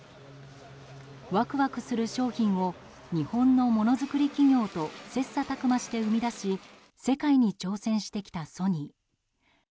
ワクワクする商品を日本のものづくり企業と切磋琢磨して生み出し世界に挑戦してきたソニー。